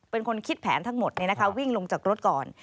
เป็นคนคิดแผนทั้งหมดวิ่งลงจากรถก่อน